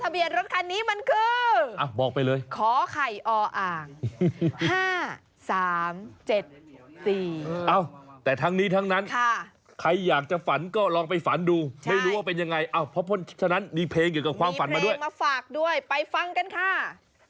มีเพลงมาฝากด้วยไปฟังกันค่ะ